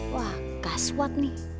wah gaswat nih